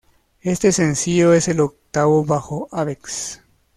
Este sencillo es el octavo bajo Avex.